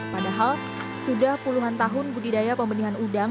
padahal sudah puluhan tahun budidaya pembenihan udang